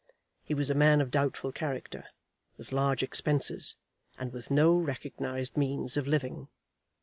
He was a man of doubtful character, with large expenses, and with no recognised means of living.